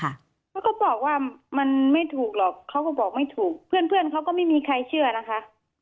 เขาก็บอกว่ามันไม่ถูกหรอกเขาก็บอกไม่ถูกเพื่อนเขาก็ไม่มีใครเชื่อนะคะ